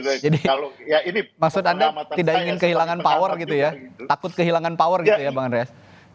jadi maksud anda tidak ingin kehilangan power gitu ya takut kehilangan power gitu ya bang andreas